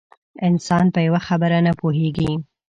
انسان په یوه خبره نه پوهېږي.